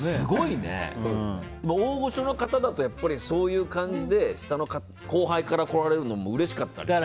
大御所の方だとそういう感じで後輩から来られるのもうれしかったりしますか？